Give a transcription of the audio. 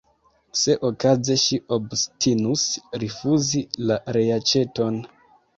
Se okaze ŝi obstinus rifuzi la reaĉeton!